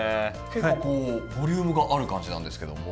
結構こうボリュームがある感じなんですけども。